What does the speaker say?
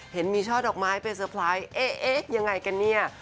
เห็นมีช่อดอกไม้ไปเตอร์ไพรส์เอ๊ะยังไงกันเนี่ย